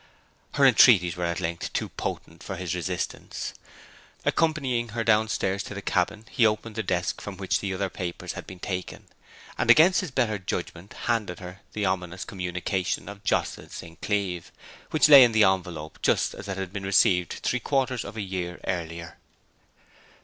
Her entreaties were at length too potent for his resistance. Accompanying her downstairs to the cabin, he opened the desk from which the other papers had been taken, and against his better judgment handed her the ominous communication of Jocelyn St. Cleeve which lay in the envelope just as it had been received three quarters of a year earlier.